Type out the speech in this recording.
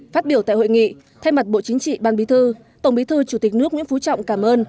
phát biểu tại hội nghị thay mặt bộ chính trị ban bí thư tổng bí thư chủ tịch nước nguyễn phú trọng cảm ơn